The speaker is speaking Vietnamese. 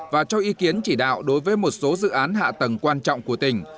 và cho ý kiến chỉ đạo đối với một số dự án hạ tầng quan trọng của tỉnh